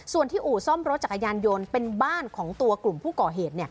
ส่วนที่อู่ซ่อมรถจักรยานยนต์เป็นบ้านของตัวกลุ่มผู้ก่อเหตุ